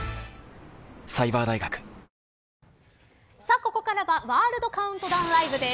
ここからはワールドカウントダウンＬＩＶＥです。